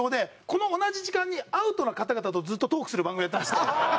この同じ時間にアウトな方々とずっとトークする番組をやってまして。